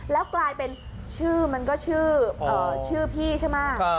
แล้วกลายเป็นชื่อมันก็ชื่อพี่ใช่ไหม